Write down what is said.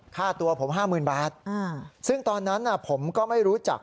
ค่าตัวผม๕๐๐๐บาทซึ่งตอนนั้นผมก็ไม่รู้จัก